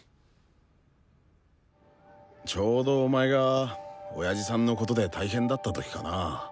ちょうどお前が親父さんのことで大変だった時かな？